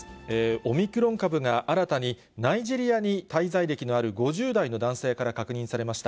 オミクロン株が新たにナイジェリアに滞在歴がある５０代の男性から確認されました。